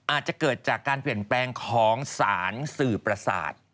อาจจะเกิดจากการเปลี่ยนแปลงของสารสื่อประสาท